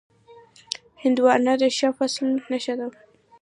هندوانه د ښه فصل نښه وي.